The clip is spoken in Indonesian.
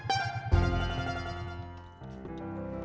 bang yang ini rumahnya